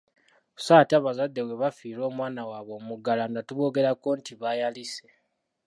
Sso ate abazadde bwe bafiirwa omwana waabwe omuggalanda tuboogerako nti bayalise.